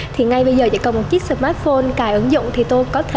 thì ngay bây giờ chỉ cần một chiếc smartphone cài ứng dụng thì tôi có thể